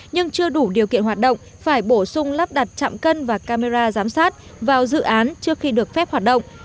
nhưng chưa đủ điều kiện hoạt động phải bổ sung lắp đặt chạm cân và camera giám sát vào dự án trước khi được phép hoạt động